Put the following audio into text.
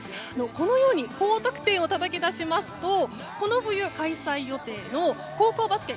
このように高得点をたたき出しますとこの冬開催予定の高校バスケ